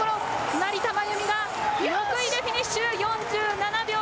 成田真由美が６位でフィニッシュ。